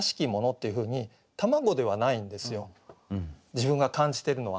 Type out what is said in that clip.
自分が感じてるのは。